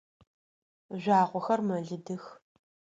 Жъуагъохэр мэлыдых.